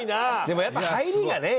でもやっぱり入りがね